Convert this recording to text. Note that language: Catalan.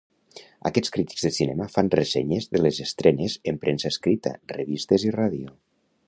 Aquests crítics de cinema fan ressenyes de les estrenes en premsa escrita, revistes i ràdio.